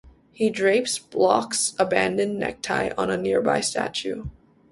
He drapes Block's abandoned necktie on a nearby statue.